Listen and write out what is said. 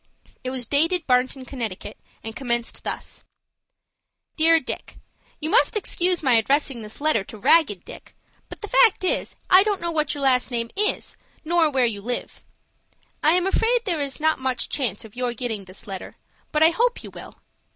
It was dated Barnton, Conn., and commenced thus,— "DEAR DICK,—You must excuse my addressing this letter to 'Ragged Dick'; but the fact is, I don't know what your last name is, nor where you live. I am afraid there is not much chance of your getting this letter; but I hope you will.